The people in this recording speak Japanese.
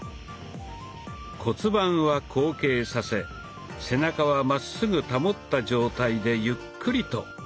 骨盤は後傾させ背中はまっすぐ保った状態でゆっくりと。